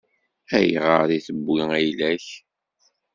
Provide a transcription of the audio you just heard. Ayɣer i tewwi ayla-k?